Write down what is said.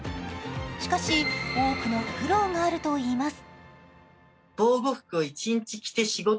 しかし、多くの苦労があるといいます。